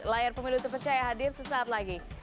layar pemilu terpercaya hadir sesaat lagi